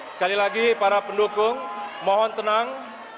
sekali lagi para pendukung mohon tenang